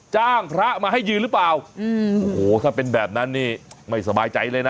จ้างพระมาให้ยืนหรือเปล่าอืมโอ้โหถ้าเป็นแบบนั้นนี่ไม่สบายใจเลยนะ